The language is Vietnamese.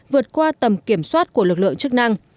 vượt qua tầm kiểm soát của lực lượng chức năng